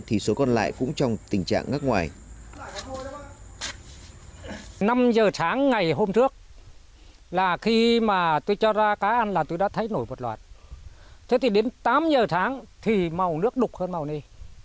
thì số còn lại cũng trong tình trạng ngắc ngoài